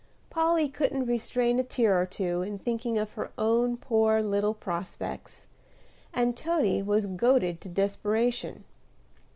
Polly couldn't restrain a tear or two, in thinking of her own poor little prospects, and Toady was goaded to desperation.